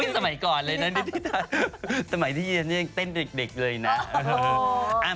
สมัยก่อนเลยนะนิทิศัศน์สมัยที่เยี่ยมต้นเด็กเลยนะ